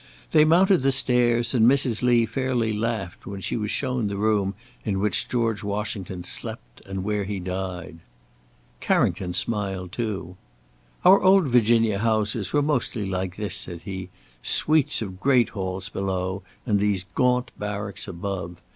They mounted the stairs, and Mrs. Lee fairly laughed when she was shown the room in which General Washington slept, and where he died. Carrington smiled too. "Our old Virginia houses were mostly like this," said he; "suites of great halls below, and these gaunt barracks above.